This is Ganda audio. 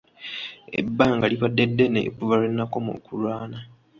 Ebbanga libaddde ddene okuva lwe nakoma okulwana.